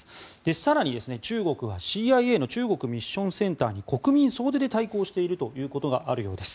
更に中国は、ＣＩＡの中国ミッションセンターに国民総出で対抗しているということがあるようです。